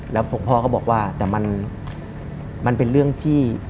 แล้วพ่อก็บอกว่าแต่มันเป็นเรื่องที่